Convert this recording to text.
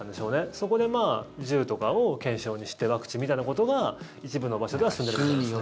そこで、銃とかを懸賞にしてワクチンみたいなことが一部の場所では進んでるみたいですね。